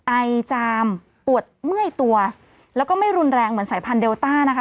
ไอจามปวดเมื่อยตัวแล้วก็ไม่รุนแรงเหมือนสายพันธุเดลต้านะคะ